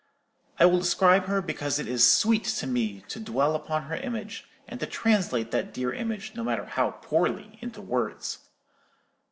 I will describe her because it is sweet to me to dwell upon her image, and to translate that dear image, no matter how poorly, into words.